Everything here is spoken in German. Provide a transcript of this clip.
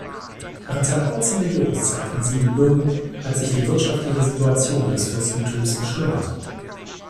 Während seiner kurzen Regierungszeit in Siebenbürgen hat sich die wirtschaftliche Situation des Fürstentums verschlimmert.